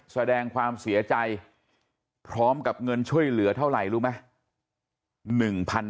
แสดงความเสียใจพร้อมกับเงินช่วยเหลือเท่าไหร่รู้ไหม